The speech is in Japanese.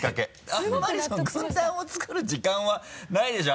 あんまり軍団を作る時間はないでしょ？